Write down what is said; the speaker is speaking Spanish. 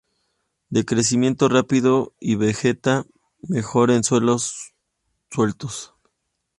De crecimiento rápido y vegeta mejor en suelos sueltos.